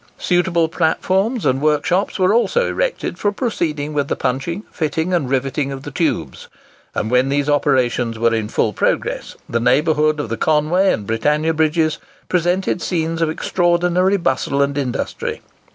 Suitable platforms and workshops were also erected for proceeding with the punching, fitting, and riveting of the tubes; and when these operations were in full progress, the neighbourhood of the Conway and Britannia Bridges presented scenes of extraordinary bustle and industry.